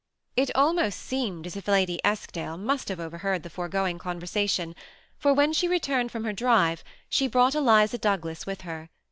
It almost seemed as if Lady Eskdale must have overheard the foregoing conversation, for when she re turned from her drive she brought Eliza Douglas with her.